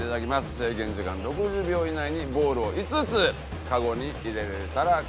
制限時間６０秒以内にボールを５つカゴに入れられたらクリアでございます。